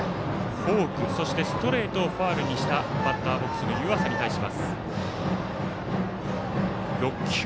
フォーク、そしてストレートをファウルにしたバッターボックスの湯浅に対して。